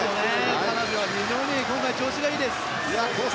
彼女は非常に調子がいいです。